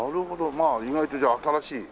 まあ意外とじゃあ新しい。